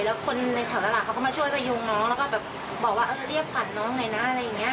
แล้วคนในแถวตลาดเขาก็มาช่วยประยุงน้องแล้วก็แบบบอกว่าเรียกฝันน้องหน่อยนะอะไรอย่างนี้